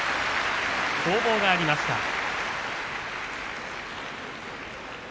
攻防がありました。